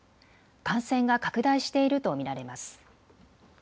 感染が拡大していると見られます。